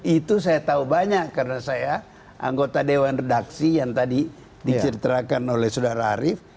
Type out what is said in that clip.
itu saya tahu banyak karena saya anggota dewan redaksi yang tadi diceritakan oleh saudara arief